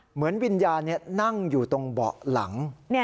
เหมือนวิญญาณนั่งอยู่ตรงเบาะหลัง